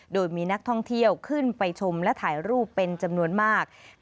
โดยมีนักท่องเที่ยวขึ้นไปชมและถ่ายรูปเป็นจำนวนมาก